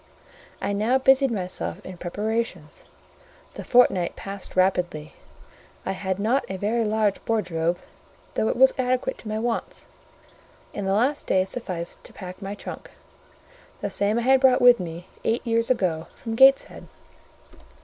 I now busied myself in preparations: the fortnight passed rapidly. I had not a very large wardrobe, though it was adequate to my wants; and the last day sufficed to pack my trunk,—the same I had brought with me eight years ago from Gateshead.